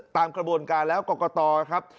ตามกระบวนการแล้วกรกตครับ